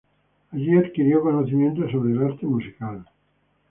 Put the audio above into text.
Allí adquirió conocimientos sobre el arte musical.